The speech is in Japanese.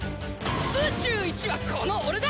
宇宙一はこの俺だ！